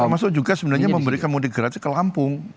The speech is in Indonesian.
termasuk juga sebenarnya memberikan mudik gratis ke lampung